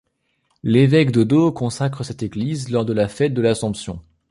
L'évêque Dodo consacre cette église lors de la fête de l'Assomption.